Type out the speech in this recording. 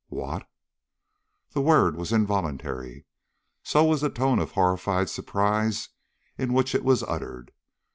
"What?" The word was involuntary. So was the tone of horrified surprise in which it was uttered.